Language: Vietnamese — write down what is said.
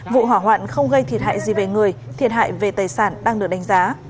vụ hỏa hoạn không gây thiệt hại gì về người thiệt hại về tài sản đang được đánh giá